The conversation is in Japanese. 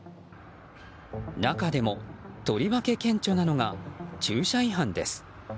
中でも、とりわけ顕著なのが駐車違反です。